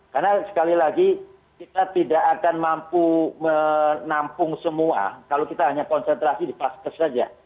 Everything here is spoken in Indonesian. karena sekali lagi kita tidak akan mampu menampung semua kalau kita hanya konsentrasi di paskes saja